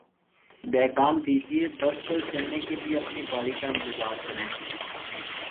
دھکا م دیجئے، بس پر چڑھنے کے لئے اپنی باری کا انتظار کریں